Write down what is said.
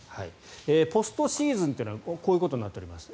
ポストシーズンというのはこういうことになっております。